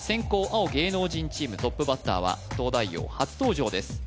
青芸能人チームトップバッターは「東大王」初登場です